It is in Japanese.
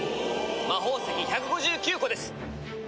魔法石１５９個です！